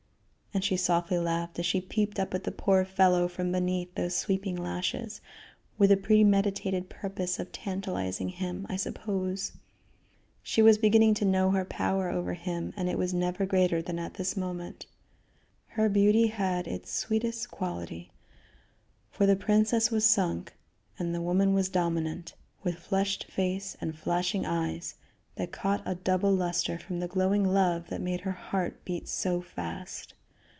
And she softly laughed as she peeped up at the poor fellow from beneath those sweeping lashes, with the premeditated purpose of tantalizing him, I suppose. She was beginning to know her power over him, and it was never greater than at this moment. Her beauty had its sweetest quality, for the princess was sunk and the woman was dominant, with flushed face and flashing eyes that caught a double luster from the glowing love that made her heart beat so fast.